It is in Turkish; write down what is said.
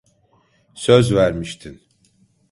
Söz vermiştin.